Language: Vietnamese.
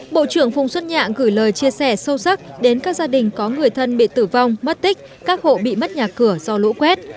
bộ trưởng phùng xuất nhạ gửi lời chia sẻ sâu sắc đến các gia đình có người thân bị tử vong mất tích các hộ bị mất nhà cửa do lũ quét